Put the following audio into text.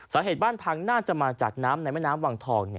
สาเหตุบ้านพังน่าจะมาจากน้ำในแม่น้ำวังทอง